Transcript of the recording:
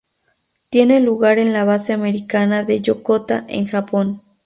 Tiene lugar en la base americana de Yokota en Japón.